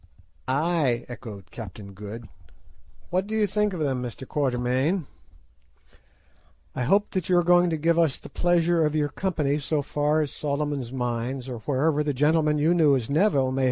"Ay," echoed Captain Good, "what do you think of them, Mr. Quatermain? I hope that you are going to give us the pleasure of your company so far as Solomon's Mines, or wherever the gentleman you knew as Neville may have got to."